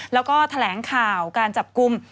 แล้วก็แถลงข่าวการจับกลุ่ม